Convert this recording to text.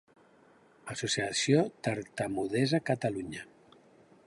Associació Tartamudesa Catalunya.